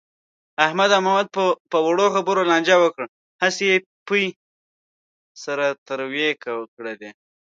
احمد او محمود په وړو خبرو لانجه وکړه. هسې یې پۍ سره تروې کړلې.